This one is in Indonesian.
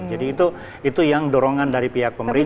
jadi itu yang dorongan dari pihak pemerintah